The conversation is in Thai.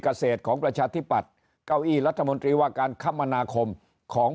เกษตรของประชาธิปัตย์เก้าอี้รัฐมนตรีว่าการคมนาคมของ